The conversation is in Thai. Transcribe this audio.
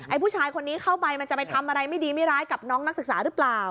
ผู้ชายคนนี้เข้าไปมันจะไปทำอะไรไม่ดีไม่ร้ายกับน้องนักศึกษาหรือเปล่า